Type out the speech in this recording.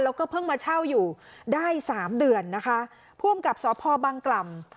แล้วก็เพิ่งมาเช่าอยู่ได้สามเดือนนะคะผู้อำกับสพบังกล่ำ